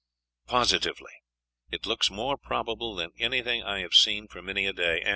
.... Positively, it looks more probable than anything I have seen for many a day....